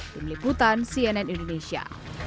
pemilu kutan cnn indonesia